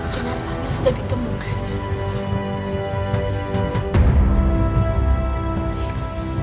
jinasa putri sudah di temukan